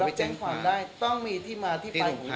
แต่เจ้าตัวก็ไม่ได้รับในส่วนนั้นหรอกนะครับ